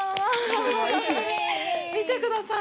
見てください。